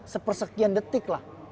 sepersekian detik lah